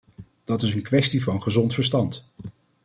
Dat is een kwestie van gezond verstand.